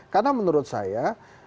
karena menurut saya